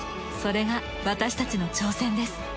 それが私たちの挑戦です。